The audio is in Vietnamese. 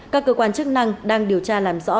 các cơ quan chức năng đang điều tra làm rõ